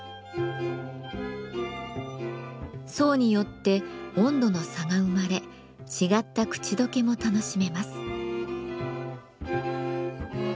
層によって温度の差が生まれ違った口溶けも楽しめます。